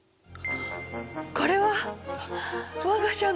これは我が社の。